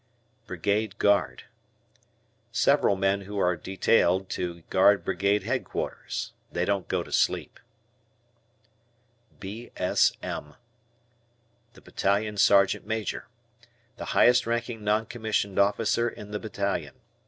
Brigade Guard. Several men who are detailed to guard Brigade Headquarters. They don't go to sleep. B.S.M. Battalion Sergeant Major. The highest ranking non commissioned officer in the battalion.